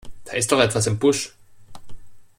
Da ist doch etwas im Busch!